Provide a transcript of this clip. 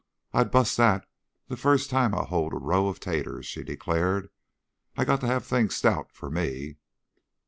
I'd bust that the first time I hoed a row of 'taters," she declared. "I got to have things stout, for me."